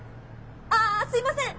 ああすいません！